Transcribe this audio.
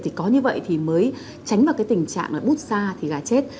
thì có như vậy thì mới tránh vào cái tình trạng là bút xa thì gà chết